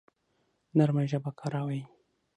نرمه ژبه کاروئ